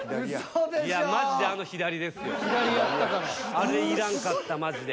あれいらんかったマジで。